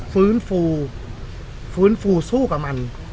ฟื้นฟูฟื้นฟูสู้กับมัน